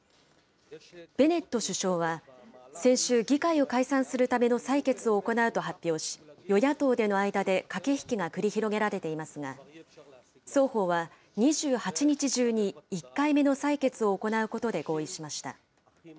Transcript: ベネット首相は、先週、議会を解散するための採決を行うと発表し、与野党での間で駆け引きが繰り広げられていますが、双方は２８日中に１回目の採決を行うことで合意しました。